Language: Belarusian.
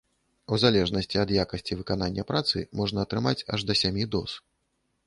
У залежнасці ад якасці выканання працы, можна атрымаць аж да сямі доз.